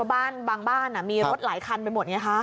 บางบ้านมีรถหลายคันไปหมด